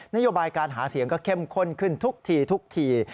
นโยบายการหาเสียงก็เข้มข้นขึ้นทุกทีทุกที